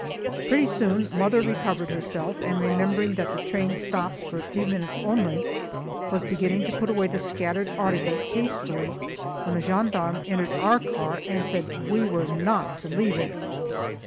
Pretty soon mother recovered herself, and remembering that the train stops for a few minutes only, was beginning to put away the scattered articles hastily when a gendarme entered our car and said we were not to leave it.